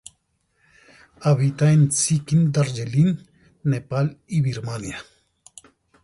Habita en Sikkim, Darjeeling, Nepal y Birmania.